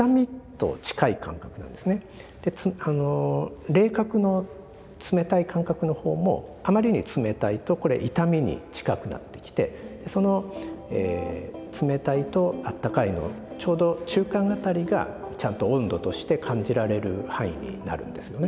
で冷覚の冷たい感覚のほうもあまりに冷たいとこれ痛みに近くなってきてその冷たいと温かいのちょうど中間辺りがちゃんと温度として感じられる範囲になるんですよね。